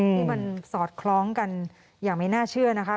ที่มันสอดคล้องกันอย่างไม่น่าเชื่อนะคะ